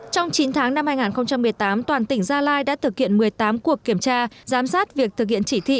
trong chín tháng năm hai nghìn một mươi tám toàn tỉnh gia lai đã thực hiện một mươi tám cuộc kiểm tra giám sát việc thực hiện chỉ thị